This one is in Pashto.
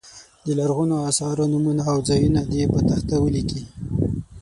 د لرغونو اثارو نومونه او ځایونه دې په تخته ولیکي.